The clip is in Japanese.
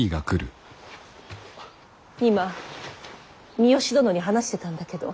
今三善殿に話してたんだけど。